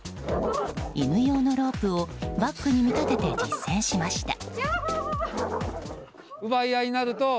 犬用のロープをバッグに見立てて実践しました。